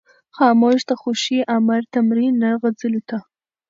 خاموش د شوخۍ امر ته مرۍ نه غځوله.